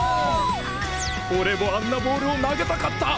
俺もあんなボールを投げたかった！